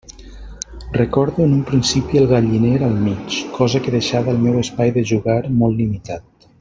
Recordo en un principi el galliner al mig, cosa que deixava el meu espai de jugar molt limitat.